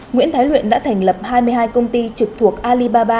nguyễn thái luyện đã thành lập hai mươi hai công ty trực thuộc alibaba